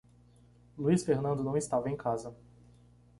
Luiz Fernando não estava em casa.